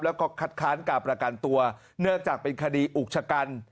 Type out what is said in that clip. แล้วก็คัดค้านการประกันตัวเนื่องจากเป็นคดีอุกชะกัน